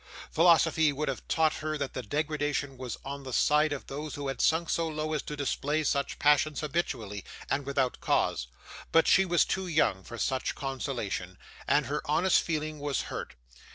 Philosophy would have taught her that the degradation was on the side of those who had sunk so low as to display such passions habitually, and without cause: but she was too young for such consolation, and her honest feeling was hurt.